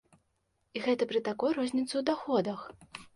І гэта пры такой розніцы ў даходах!